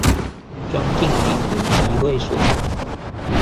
莊敬里民集會所